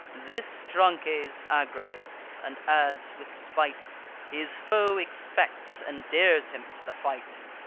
This Drances aggravates; and adds, with spite: "His foe expects, and dares him to the fight."